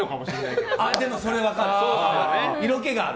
でも、それ分かる。